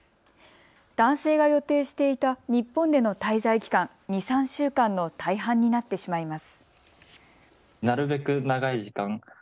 男性が予定していた日本での滞在期間、２、３週間の大半になってしまいます。